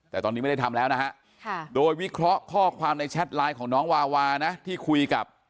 แต่ตอนนี้ไม่ได้ทำแล้วนะฮะโดยวิเคราะห์ข้อความในแชทไลน์ของน้องวาวานะที่คุยกับ